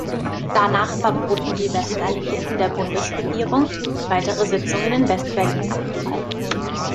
Danach verboten die West-Alliierten der Bundesregierung, weitere Sitzungen in West-Berlin abzuhalten.